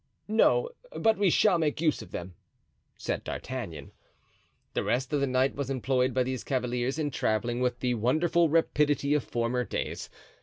"No, but we shall make use of them," said D'Artagnan. The rest of the night was employed by these cavaliers in traveling with the wonderful rapidity of former days.